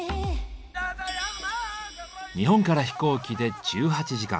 日本から飛行機で１８時間。